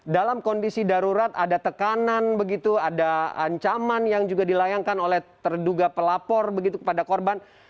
dalam kondisi darurat ada tekanan begitu ada ancaman yang juga dilayangkan oleh terduga pelapor begitu kepada korban